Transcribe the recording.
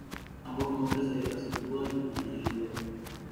Ambos nombres se acentúan y pronuncian igual.